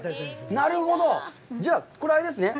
なるほど、じゃあ、これ、あれですね。